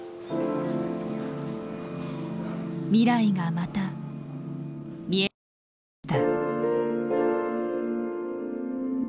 未来がまた見えなくなりました。